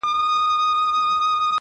څوك به ليكي قصيدې د كونړونو٫